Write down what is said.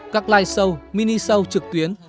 các live show mini show trực tuyến